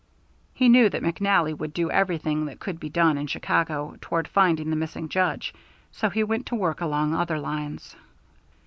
He knew that McNally would do everything that could be done in Chicago toward finding the missing Judge, so he went to work along other lines.